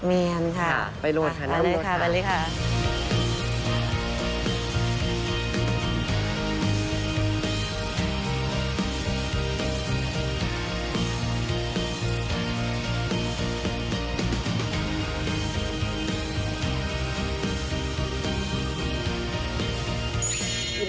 มีครับค่ะไปโรนค่ะนั่นคือโรนค่ะอันนี้ค่ะไปเลยค่ะไปเลยค่ะ